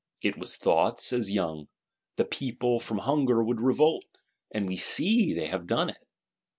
"It was thought," says Young, "the people, from hunger, would revolt;" and we see they have done it.